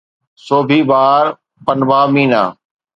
سوڀي بهار پنبه مينا